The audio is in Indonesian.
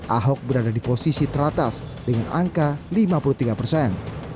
ahok berada di posisi teratas dengan angka lima puluh tiga persen